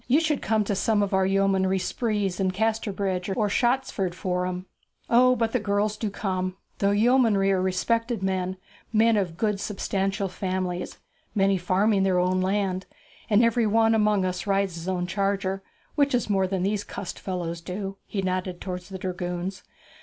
You should come to some of our yeomanry sprees in Casterbridge or Shottsford Forum. O, but the girls do come! The yeomanry are respected men, men of good substantial families, many farming their own land; and every one among us rides his own charger, which is more than these cussed fellows do.' He nodded towards the dragoons.